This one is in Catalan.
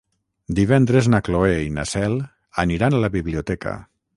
Divendres na Cloè i na Cel aniran a la biblioteca.